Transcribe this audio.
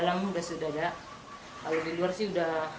lalu di luar sih udah